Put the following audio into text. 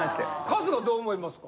春日はどう思いますか？